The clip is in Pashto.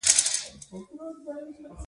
ګاز د افغان ماشومانو د لوبو موضوع ده.